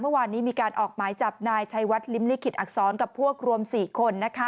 เมื่อวานนี้มีการออกหมายจับนายชัยวัดลิ้มลิขิตอักษรกับพวกรวม๔คน